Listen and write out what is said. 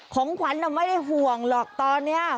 ของขวัญไม่ได้ห่วงหรอกตอนนี้